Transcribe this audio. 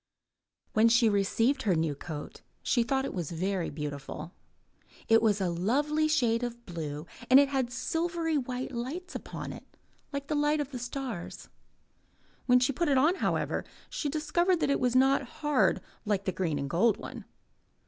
When she received her new coat she thought it was very beautiful. It was a lovely shade of blue and it had silvery white lights upon it like the light of the stars. When she put it on, however, she discovered that it was not hard like the green and gold one.